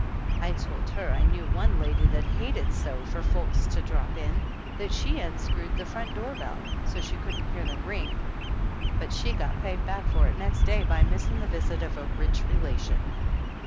I told her I knew one lady that hated so for folks to drop in that she unscrewed the front doorbell, so she couldn't hear them ring, but she got paid back for it next day by missing the visit of a rich relation.